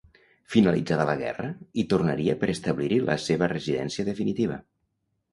Finalitzada la guerra, hi tornaria per establir-hi la seva residència definitiva.